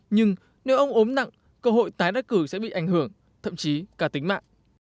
nhưng nếu ông ốm nặng cơ hội tái đắc cử sẽ bị ảnh hưởng thậm chí cả tính mạng